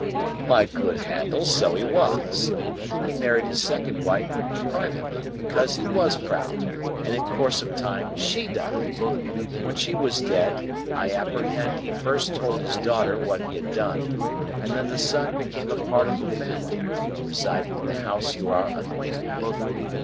"My good Handel, so he was. He married his second wife privately, because he was proud, and in course of time she died. When she was dead, I apprehend he first told his daughter what he had done, and then the son became a part of the family, residing in the house you are acquainted with.